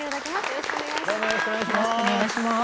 よろしくお願いします。